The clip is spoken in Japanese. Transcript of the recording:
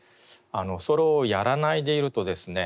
それをやらないでいるとですね